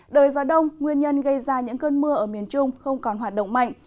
đời gió đông nguyên nhân gây ra những cơn mưa ở miền trung không còn hoạt động mạnh